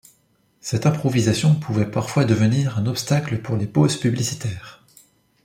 Cette improvisation pouvait parfois devenir un obstacle pour les pauses publicitaires.